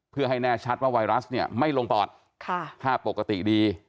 เพื่อให้แน่ชัดว่าไวรัสเนี่ยไม่ลงปอดถ้าปกติดี